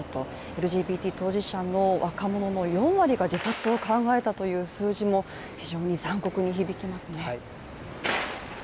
ＬＧＢＴ当事者の若者の４割が自殺を考えたという数字も非常に残酷に響きますね。